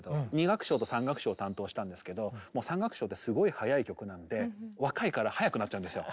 ２楽章と３楽章担当したんですけど３楽章ってすごい速い曲なんで若いから速くなっちゃうんですよ。